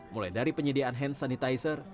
mulai dari penyediaan hand sanitizer